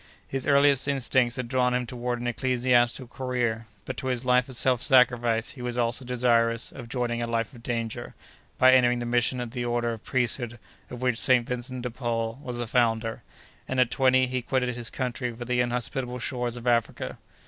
His earliest instincts had drawn him toward an ecclesiastical career, but to this life of self sacrifice he was also desirous of joining a life of danger, by entering the mission of the order of priesthood of which St. Vincent de Paul was the founder, and, at twenty, he quitted his country for the inhospitable shores of Africa.